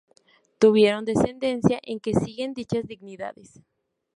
Tuvieron descendencia en que siguen dichas dignidades.